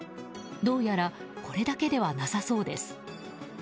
どうやらこれだけではなさそうです。